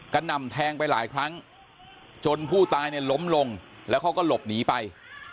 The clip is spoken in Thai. หน่ำแทงไปหลายครั้งจนผู้ตายเนี่ยล้มลงแล้วเขาก็หลบหนีไป